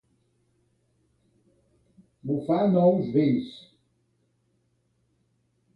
Bufar nous vents.